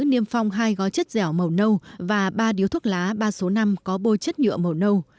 nhiêm phong hai gói chất dẻo màu nâu và ba điếu thuốc lá ba số năm có bôi chất nhựa màu nâu